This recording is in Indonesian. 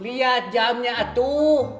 liat jamnya atuh